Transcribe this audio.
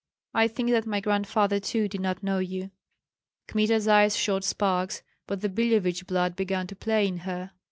"I think that my grandfather too did not know you." Kmita's eyes shot sparks; but the Billevich blood began to play in her.